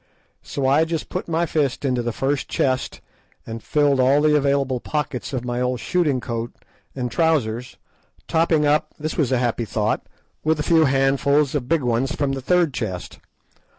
So I just put my fist into the first chest and filled all the available pockets of my old shooting coat and trousers, topping up—this was a happy thought—with a few handfuls of big ones from the third chest.